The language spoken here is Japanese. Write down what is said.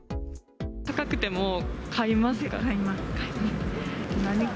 高くても買いますか？